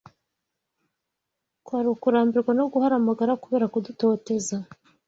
kwari ukurambirwa no guhara amagara kubera kudutoteza